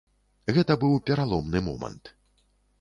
Гэта быў пераломны момант.